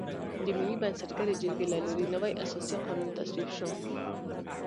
د ملي بنسټګرې جرګې له لوري نوی اساسي قانون تصویب شو.